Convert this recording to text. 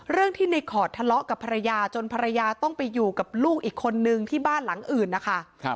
เรื่องที่ในขอดทะเลาะกับภรรยาจนภรรยาต้องไปอยู่กับลูกอีกคนนึงที่บ้านหลังอื่นนะคะ